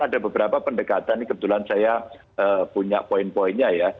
ada beberapa pendekatan ini kebetulan saya punya poin poinnya ya